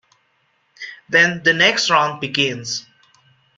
Then the next round begins.